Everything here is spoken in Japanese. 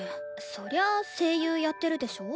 そりゃあ声優やってるでしょ？